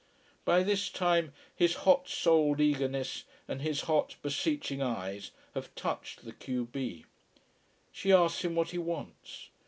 By this time his hot souled eagerness and his hot, beseeching eyes have touched the q b. She asks him what he wants.